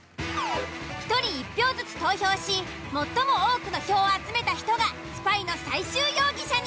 １人１票ずつ投票し最も多くの票を集めた人がスパイの最終容疑者に。